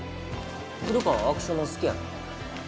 古川アクションもの好きやろ？